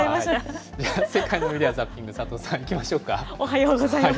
世界のメディア・ザッピング、おはようございます。